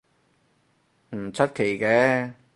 唔出奇嘅